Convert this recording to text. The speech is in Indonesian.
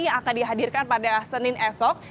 yang akan dihadirkan pada senin esok